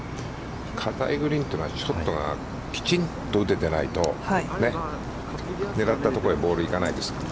硬いグリーンは、ショットがきちんと打ててないと、狙ったとこへボールが行かないですからね。